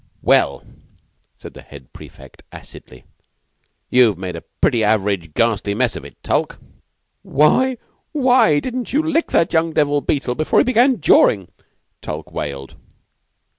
"Well," said the head prefect acidly. "You've made a pretty average ghastly mess of it, Tulke." "Why why didn't you lick that young devil Beetle before he began jawing?" Tulke wailed.